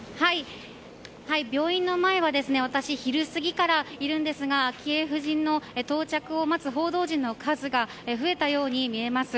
病院の前は私、昼過ぎからいるんですが昭恵夫人の到着を待つ報道陣の数が増えたように見えます。